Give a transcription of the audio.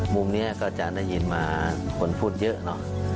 มุมนี้ก็จะได้ยินมาคนพูดเยอะเนอะ